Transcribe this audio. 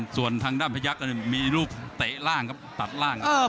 ส่วนทางด้านภัยักษ์มีรูปตะล่างครับประตัดล่างครับ